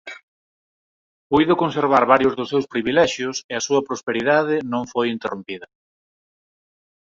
Puido conservar varios dos seus privilexios e a súa prosperidade non foi interrompida.